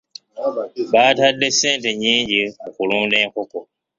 Baatadde ssente nnyingi mu kulunda enkoko.